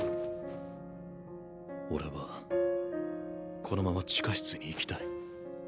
俺はこのまま地下室に行きたい。